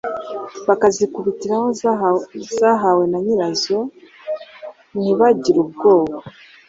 Bakazikubitira aho zahawe na nyirazo ntibagire ubwoba,